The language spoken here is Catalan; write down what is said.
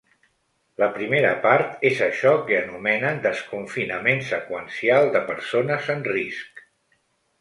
La primera part és això que anomenen ‘desconfinament seqüencial de persones en risc’.